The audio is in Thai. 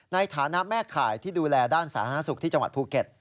ในฐานะแม่ข่ายที่ดูแลด้านสาธารณสุขที่จังหวัดภูเก็ต